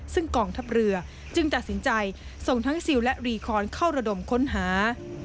ซึ่งกองทัพเรือจึงตัดสินใจส่งทั้งซิลและรีคอนเข้าระดมค้นหา